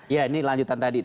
iya ini lanjutan tadi